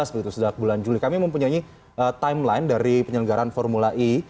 sejak bulan juli kami mempunyai timeline dari penyelenggaran formula e